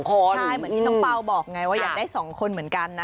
ใช่เหมือนที่น้องเปล่าบอกไงว่าอยากได้๒คนเหมือนกันนะ